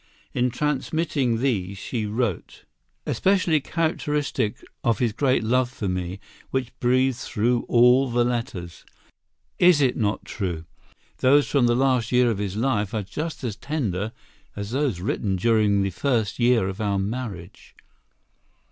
In transmitting these she wrote: "Especially characteristic is his great love for me, which breathes through all the letters. Is it not true—those from the last year of his life are just as tender as those written during the first year of our marriage?"